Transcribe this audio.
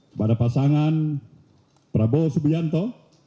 kepada pasangan prabowo subianto